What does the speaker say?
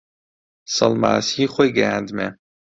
سەڵماسی خۆی گەیاندمێ